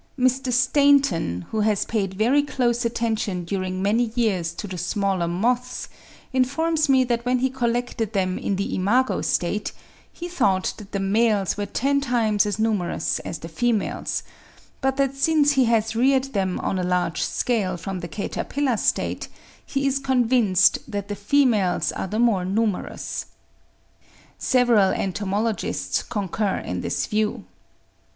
Mr. Stainton, who has paid very close attention during many years to the smaller moths, informs me that when he collected them in the imago state, he thought that the males were ten times as numerous as the females, but that since he has reared them on a large scale from the caterpillar state, he is convinced that the females are the more numerous. Several entomologists concur in this view.